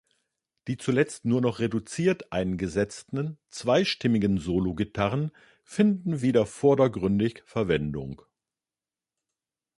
Die zuletzt nur noch reduziert eingesetzten zweistimmigen Solo-Gitarren finden wieder vordergründig Verwendung.